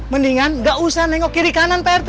mendingan nggak usah nengok kiri kanan pak rt